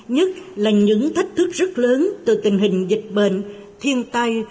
nhất là những thách thức rất lớn từ tình hình dịch bệnh thiên tai